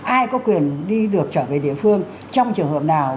ai có quyền đi được trở về địa phương trong trường hợp nào